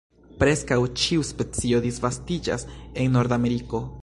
Preskaŭ ĉiu specio disvastiĝas en Nordameriko.